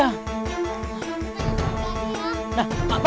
ada sakit ya